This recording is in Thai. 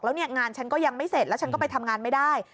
แล้วเนี่ยงานฉันก็ยังไม่เสร็จแล้วฉันก็ไปทำงานไม่ได้